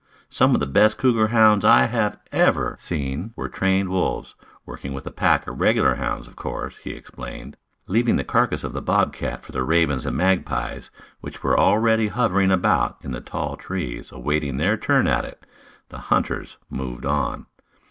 Some of the best cougar hounds I nave ever seen were trained wolves, working with a pack of regular hounds, of course," he explained. Leaving the carcass of the bob oat for the ravens and magpies, which were already hovering about in the tall trees awaiting their turn at it, the hunters moved on.